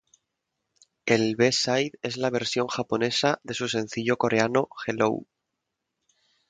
El B-Side es la versión japonesa de su sencillo coreano "Hello".